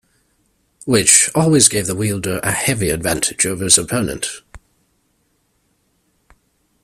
Which always gave the wielder a heavy advantage over his opponent.